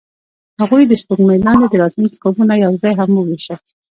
هغوی د سپوږمۍ لاندې د راتلونکي خوبونه یوځای هم وویشل.